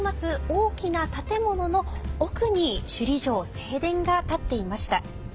大きな建物の奥に首里城正殿が建っていました。